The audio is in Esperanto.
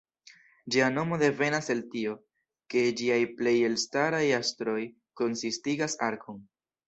Ĝia nomo devenas el tio, ke ĝiaj plej elstaraj astroj konsistigas arkon.